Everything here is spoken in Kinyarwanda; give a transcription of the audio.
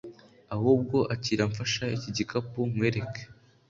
ahubwo akira mfasha iki gikapu nkwereke